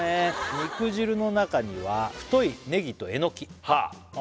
「肉汁の中には太いネギとエノキ」